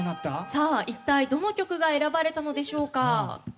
一体どの曲が選ばれたのでしょうか。